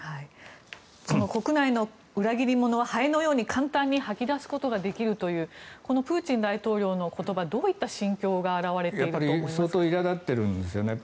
国内の裏切り者はハエのように簡単に吐き出すことができるというこのプーチン大統領の言葉どういった心境が表れていると思いますか？